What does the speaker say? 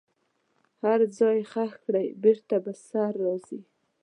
هر ځای یې ښخ کړئ بیرته به سره راځي.